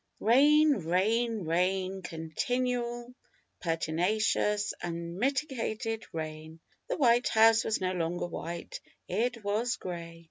Rain, rain, rain; continual, pertinacious, unmitigated rain! The White House was no longer white, it was grey.